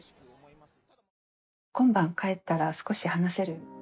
今晩帰ったら、少し話せる？